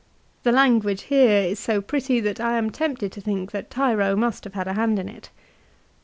2 The language here is so pretty that I am tempted to think that Tiro must have had a hand in it.